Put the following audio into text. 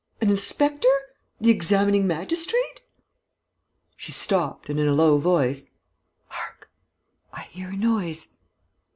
An inspector?... The examining magistrate?..." She stopped and, in a low voice: "Hark.... I hear a noise...."